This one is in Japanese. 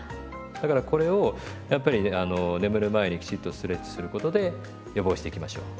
だからこれをやっぱり眠る前にきちっとストレッチすることで予防していきましょう。